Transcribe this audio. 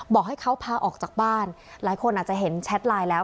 บอกให้เขาพาออกจากบ้านหลายคนอาจจะเห็นแชทไลน์แล้ว